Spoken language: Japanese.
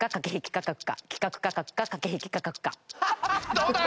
どうだ？